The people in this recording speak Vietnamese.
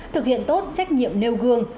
thực hiện tốt trách nhiệm nêu gương